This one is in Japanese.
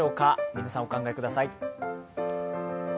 皆さん、お考えください。